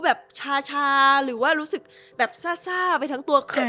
แบบชาหรือว่ารู้สึกแบบซ่าไปทั้งตัวเข็น